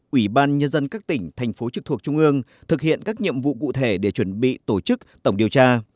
ủy ban nhân dân các tỉnh thành phố trực thuộc trung ương thực hiện các nhiệm vụ cụ thể để chuẩn bị tổ chức tổng điều tra